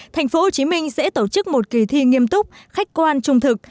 thành phố hồ chí minh sẽ tổ chức một kỳ thi nghiêm túc khách quan trung thực